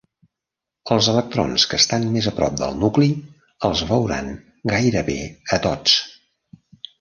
Els electrons que estan més a prop del nucli els "veuran" gairebé a tots.